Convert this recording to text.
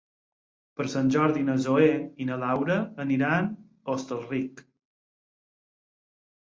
Per Sant Jordi na Zoè i na Laura aniran a Hostalric.